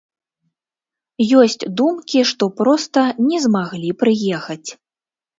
Ёсць думкі, што проста не змаглі прыехаць.